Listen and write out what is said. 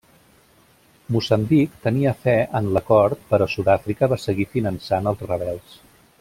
Moçambic tenia fe en l'acord però Sud-àfrica va seguir finançant als rebels.